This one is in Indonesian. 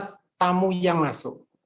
pertamu yang masuk